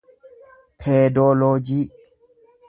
peedooloojii